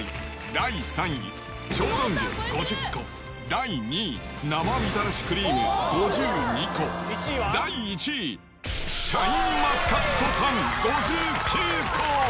第３位、超ロング５０個、第２位生みたらしクリーム５２個、第１位シャインマスカットパン５９個。